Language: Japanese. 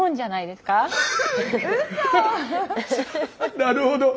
なるほど。